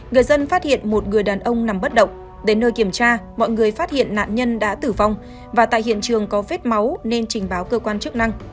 người dân phát hiện một người đàn ông nằm bất động đến nơi kiểm tra mọi người phát hiện nạn nhân đã tử vong và tại hiện trường có vết máu nên trình báo cơ quan chức năng